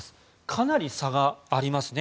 かなり差がありますね。